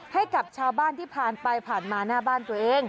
ให้กับชาวบ้านที่ผ่านไปผ่านมาหน้าบ้านตัวเอง